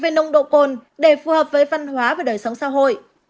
về nồng độ cồn để phù hợp với văn hóa và đời sống xã hội